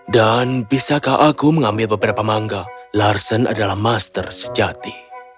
dan bisakah aku mengambil beberapa mangga larsen adalah master sejati